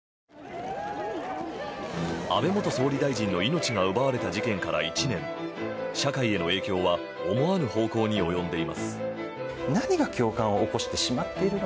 安倍元総理の命が奪われた事件から１年、社会への影響は思わぬ方向に及んでいます。